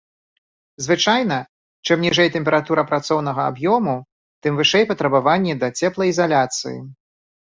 Звычайна, чым ніжэй тэмпература працоўнага аб'ёму, тым вышэй патрабаванні да цеплаізаляцыі.